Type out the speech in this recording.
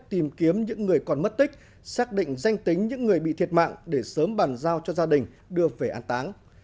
tìm kiếm những người còn mất tích xác định danh tính những người bị thiệt mạng để sớm bàn giao cho gia đình đưa về an táng